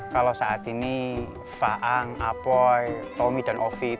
kalau saat ini kita harus mengawasi pergerakan mereka makanya aneh duduk disini